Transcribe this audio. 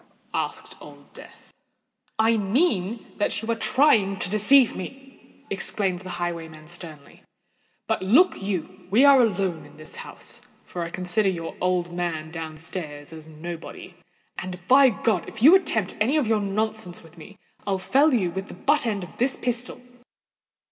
asked Old Death. "I mean that you are trying to deceive me," exclaimed the highwayman, sternly. "But, look you! we are alone in this house—for I consider your old man down stairs as nobody; and, by God! if you attempt any of your nonsense with me, I'll fell you with the butt end of this pistol."